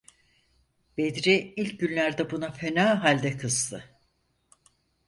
Bedri ilk günlerde buna fena halde kızdı.